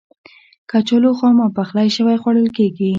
کچالو خام او پخلی شوی خوړل کېږي.